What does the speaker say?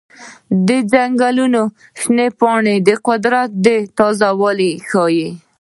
د ځنګلونو شنه پاڼې د قدرت تازه والی ښيي.